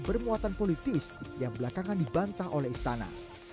bermuatan politis yang belakangan dibantah oleh istana